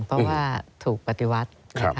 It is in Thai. เพราะว่าถูกปฏิวัติ